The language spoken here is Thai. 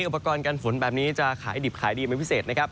อุปกรณ์การฝนแบบนี้จะขายดิบขายดีเป็นพิเศษนะครับ